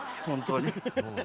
本当に。